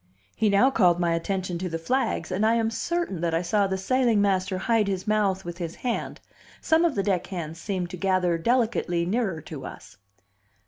He now called my attention to the flags, and I am certain that I saw the sailing master hide his mouth with his hand. Some of the deck hands seemed to gather delicately nearer to us.